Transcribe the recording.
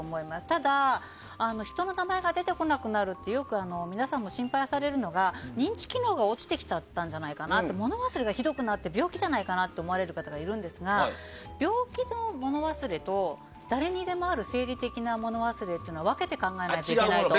ただ、人の名前が出てこなくなるってよく、皆さんも心配されるのが認知機能が落ちてきちゃったのかなって物忘れがひどくて病気かと思う方がいると思いますが病気の物忘れと誰にでもある生理的な物忘れは分けて考えなきゃいけないと。